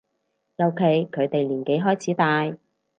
尤其佢哋年紀開始大